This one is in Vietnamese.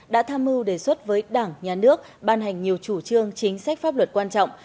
đã tham mưu đề xuất với đảng nhà nước ban hành nhiều chủ trương chính sách pháp luật quan trọng